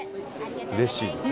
うれしいですね。